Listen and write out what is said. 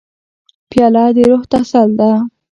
پیاله د روح تسل ده.